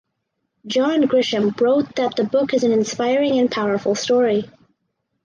John Grisham wrote that the book is an "inspiring and powerful story".